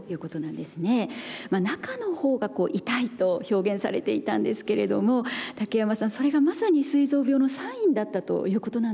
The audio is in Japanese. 中のほうがこう痛いと表現されていたんですけれども竹山さんそれがまさにすい臓病のサインだったということなんでしょうか？